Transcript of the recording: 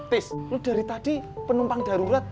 pis lo dari tadi penumpang darurat